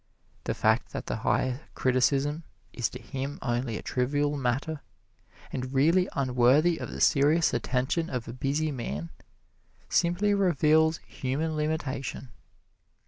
The fact that the higher criticism is to him only a trivial matter, and really unworthy of the serious attention of a busy man, simply reveals human limitation.